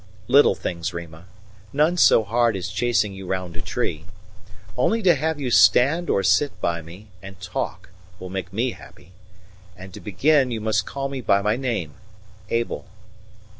"Little things, Rima none so hard as chasing you round a tree. Only to have you stand or sit by me and talk will make me happy. And to begin you must call me by my name Abel."